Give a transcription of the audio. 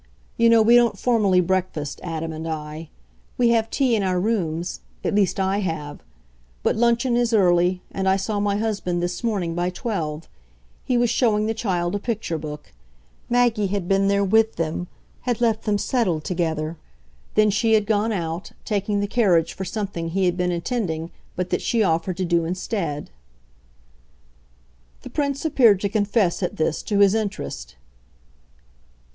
You know we don't formally breakfast, Adam and I; we have tea in our rooms at least I have; but luncheon is early, and I saw my husband, this morning, by twelve; he was showing the child a picture book. Maggie had been there with them, had left them settled together. Then she had gone out taking the carriage for something he had been intending but that she offered to do instead." The Prince appeared to confess, at this, to his interest.